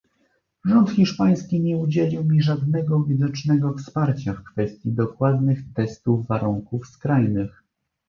Rząd hiszpański nie udzielił mi żadnego widocznego wsparcia w kwestii dokładnych testów warunków skrajnych